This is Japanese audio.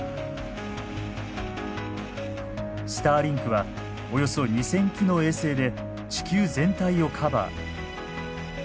スターリンクはおよそ２，０００基の衛星で地球全体をカバー。